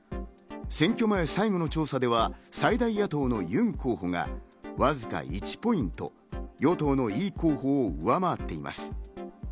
選挙前、最後の調査では最大野党のユン候補がわずか１ポイント、与党のイ候補を上回っています。